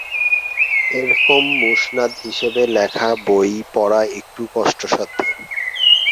এরকম মুসনাদ হিসাবে লেখা বই পড়া একটু কষ্টসাধ্য।